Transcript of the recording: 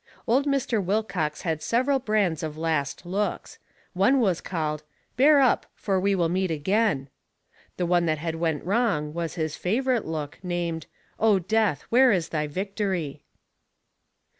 Old Mr. Wilcox had several brands of last looks. One was called: "Bear Up, for We Will Meet Again." The one that had went wrong was his favourite look, named: "O Death, Where is Thy Victory?"